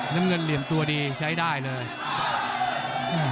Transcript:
น้ำเงินเหลี่ยมตัวดีใช้ได้เลย